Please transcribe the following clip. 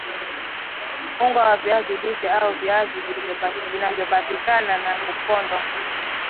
Unga wa viazi lishe au viazi vilivyopikwa na kupondwa